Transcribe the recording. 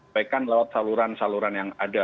baikkan lewat saluran saluran yang ada